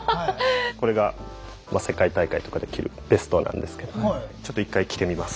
これが世界大会とかで着るベストなんですけどちょっと１回着てみます。